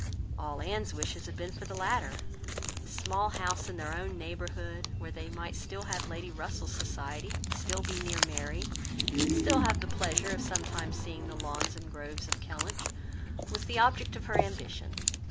All Anne's wishes had been for the latter. A small house in their own neighbourhood, where they might still have Lady Russell's society, still be near Mary, and still have the pleasure of sometimes seeing the lawns and groves of Kellynch, was the object of her ambition.